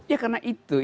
ya karena itu